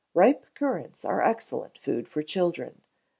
Ripe Currants are excellent food for children.